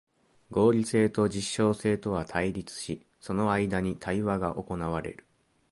合理性と実証性とは対立し、その間に対話が行われる。